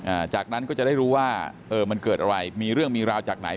อ่าจากนั้นก็จะได้รู้ว่าเออมันเกิดอะไรมีเรื่องมีราวจากไหน